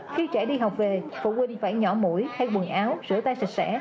khi trẻ đi học về phụ huynh phải nhỏ mũi hay quần áo rửa tay sạch sẽ